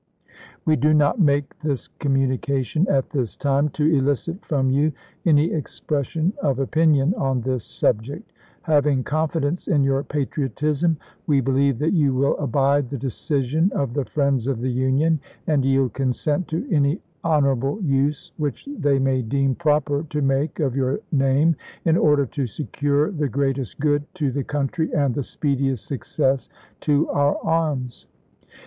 .. We do not make this communication at this time to elicit from you any expression of opinion on this subject. Having confidence in your patriotism, we believe that you will abide the decision of the friends of the Union, and yield con sent to any honorable use which they may deem proper to make of your name in order to secure the greatest good to the country and the speediest success to our arms.